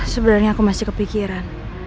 sebenarnya aku masih kepikiran